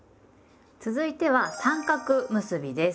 続いては「三角結び」です。